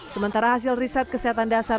sementara hasil riset kesehatan dasar